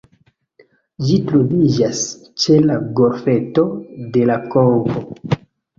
Ĝi troviĝas ĉe la Golfeto de La Konko.